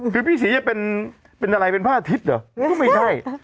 คือพี่ศรีจะเป็นอะไรเป็นพระอาทิตย์เหรอก็ไม่ใช่